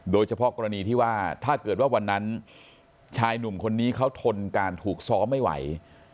โดยเฉพาะกรณีที่ว่าถ้าเกิดว่าวันนั้นชายหนุ่มคนนี้เขาทนการถูกซ้อมไม่ไหว